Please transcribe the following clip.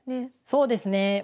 そうですね。